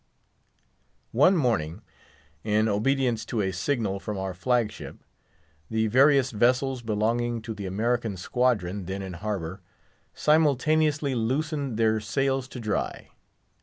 One morning, in obedience to a signal from our flag ship, the various vessels belonging to the American squadron then in harbour simultaneously loosened their sails to dry.